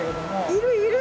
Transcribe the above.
いるいる！